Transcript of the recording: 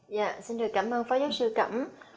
dạ xin được cảm ơn phó giáo sư cẩm